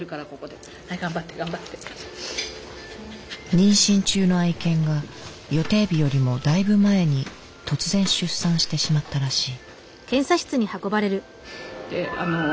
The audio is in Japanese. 妊娠中の愛犬が予定日よりもだいぶ前に突然出産してしまったらしい。